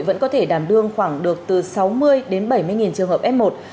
vẫn có thể đàm đương khoảng được từ sáu mươi bảy mươi trường hợp f một